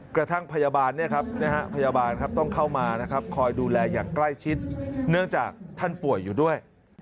กระทั่งพยาบาลพยาบาลต้องเข้ามานะครับคอยดูแลอย่างใกล้ชิดเนื่องจากท่านป่วยอยู่ด้วย